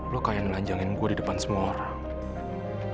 lo kayak nelanjangin gue di depan semua orang